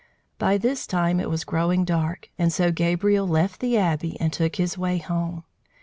By this time it was growing dark, and so Gabriel left the Abbey and took his way home.